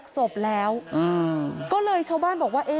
ศพแล้วก็เลยชาวบ้านบอกว่า